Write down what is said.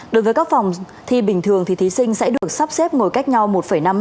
đối với các phòng thi bình thường thí sinh sẽ được sắp xếp ngồi cách nhau một năm m